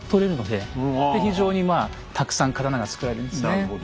で非常にまあたくさん刀が作られるんですね。